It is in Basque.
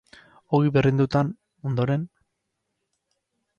Ogi birrindutan, ondoren.